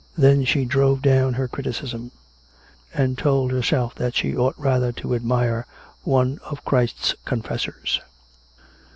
Then she drove down her criticism; and told her self that she ought rather to admire one of Christ's con fessors.